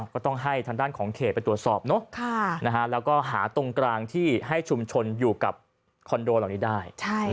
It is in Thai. ก็ต้องให้ทางด้านของเขตไปตรวจสอบแล้วก็หาตรงกลางที่ให้ชุมชนอยู่กับคอนโดเหล่านี้ได้